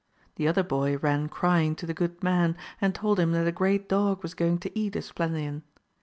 The other boy ran crying to the good man and told him that a great dog was going to eat Esplandian.